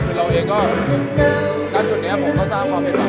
คือเราเองก็ณจุดนี้ผมก็สร้างความเห็นเรา